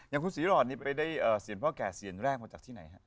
อย่างคุณศรีหลอดนี่ไปได้เสียงพ่อแก่เสียนแรกมาจากที่ไหนฮะ